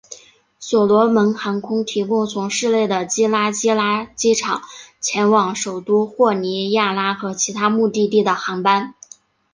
所罗门航空提供从市内的基拉基拉机场前往首都霍尼亚拉和其他目的地的航班。